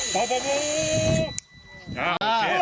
ป่าวป่าวป่าวป่าวป่าว